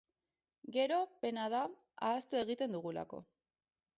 Gero, pena da, ahaztu egiten dugulako.